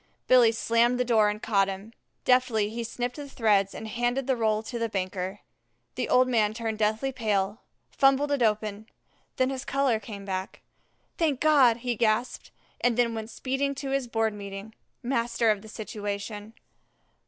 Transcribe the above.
Billy slammed the door and caught him. Deftly he snipped the threads and handed the roll to the banker. The old man turned deathly pale, fumbled it open, then his color came back. "Thank God!" he gasped, and then went speeding to his Board meeting, master of the situation.